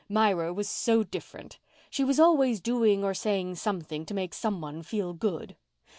Myra was so different. She was always doing or saying something to make some one feel good.